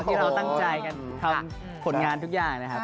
ที่เราตั้งใจกันทำผลงานทุกอย่างนะครับ